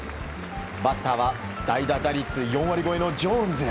バッターは代打打率４割超えのジョーンズ。